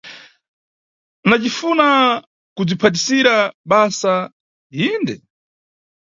Na acifuna kubzwiphatisira basa, yinde.